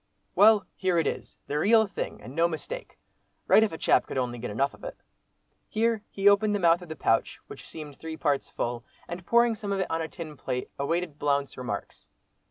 "Well, here it is—the real thing, and no mistake. Right if a chap could only get enough of it." Here he opened the mouth of the pouch, which seemed three parts full, and pouring some of it on a tin plate, awaited Blount's remarks.